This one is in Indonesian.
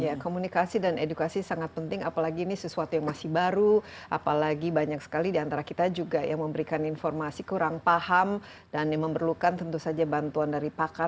ya komunikasi dan edukasi sangat penting apalagi ini sesuatu yang masih baru apalagi banyak sekali diantara kita juga yang memberikan informasi kurang paham dan yang memerlukan tentu saja bantuan dari pakar